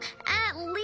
あ！